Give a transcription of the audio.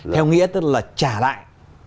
theo nghĩa tức là trả lại